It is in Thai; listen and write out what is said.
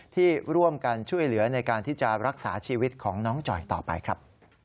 ที่ร่วมกันช่วยเหลือในการที่จะรักษาชีวิตของน้องจ่อยต่อไปครับ